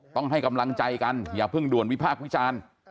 ต้องให้กำลังใจกันอย่าเพิ่งด่วนวิพากษ์วิจารณ์